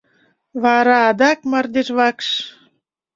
Вара адак — мардежвакш.